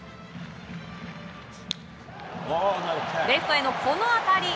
レフトへのこの当たり。